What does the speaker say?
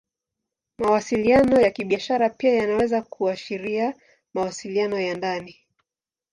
Mawasiliano ya Kibiashara pia yanaweza kuashiria mawasiliano ya ndani.